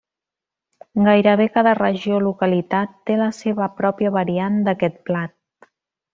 Gairebé cada regió o localitat té la seva pròpia variant d'aquest plat.